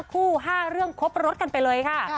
คู่๕เรื่องครบรถกันไปเลยค่ะ